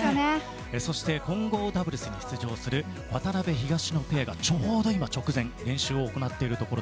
そして混合ダブルスに出場する渡辺、東野ペアがちょうど今直前練習を行っています。